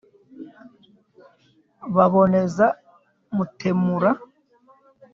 Baboneza Mutemura,